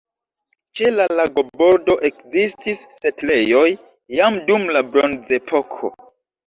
Ĉe la lagobordo ekzistis setlejoj jam dum la bronzepoko.